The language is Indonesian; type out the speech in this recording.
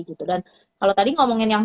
gitu dan kalau tadi ngomongin yang